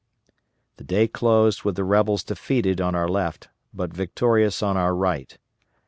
The day closed with the rebels defeated on our left, but victorious on our right.